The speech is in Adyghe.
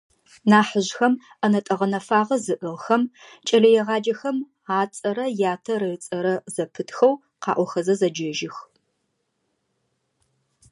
Нахьыжъхэм, ӏэнэтӏэ гъэнэфагъэ зыӏыгъхэм, кӏэлэегъаджэхэм ацӏэрэ ятэ ыцӏэрэ зэпытхэу къаӏохэзэ зэджэжьых.